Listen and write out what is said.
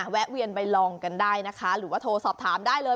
แวะเวียนไปลองกันได้นะคะหรือว่าโทรสอบถามได้เลย